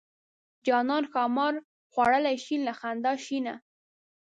جانان ښامار خوړلی شین له خندا شینه.